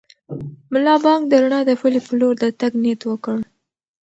ملا بانګ د رڼا د پولې په لور د تګ نیت وکړ.